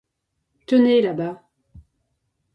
Tenez, là-bas.